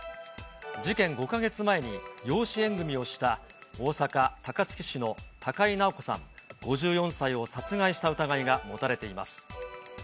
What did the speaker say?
事件５か月前に養子縁組みをした、大阪・高槻市の高井直子さん５４歳を殺害した疑いが持たれています。